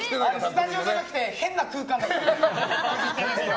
スタジオじゃなくて変な空間だったんですよ。